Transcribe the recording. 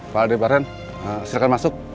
pak aldebaren silakan masuk